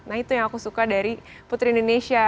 nah itu yang aku suka dari putri indonesia